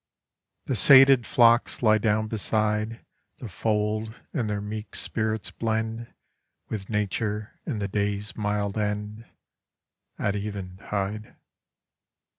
The sated flocks lie down beside The fold, and their meek spirits blend With nature in the day's mild end, At even tide.